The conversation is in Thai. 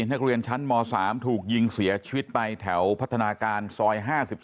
นักเรียนชั้นม๓ถูกยิงเสียชีวิตไปแถวพัฒนาการซอย๕๒